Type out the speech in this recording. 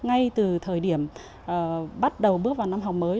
ngay từ thời điểm bắt đầu bước vào năm học mới